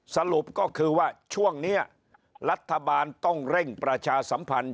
สรุปก็คือว่าช่วงนี้รัฐบาลต้องเร่งประชาสัมพันธ์